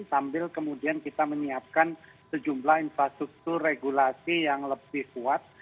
sambil kemudian kita menyiapkan sejumlah infrastruktur regulasi yang lebih kuat